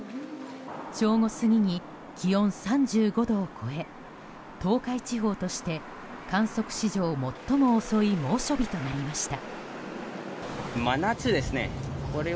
正午過ぎに気温３５度を超え東海地方として観測史上最も遅い猛暑日となりました。